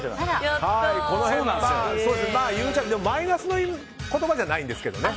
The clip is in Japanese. ゆうちゃみ、マイナスの言葉じゃないんですけどね。